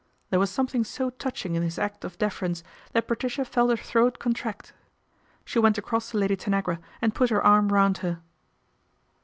There was something so touching in his act of deference that Patricia felt her throat contract. She went across to Lady Tanagra and put her arm round her.